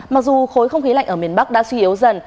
mặc dù khối không khí lạnh ở miền bắc đã suy yếu dần